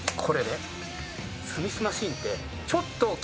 これねスミスマシンってちょっと。